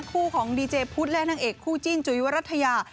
คู่ของดีเจพุทธและนางเอกคู่จิ้นจุ๋ยวรัฐยา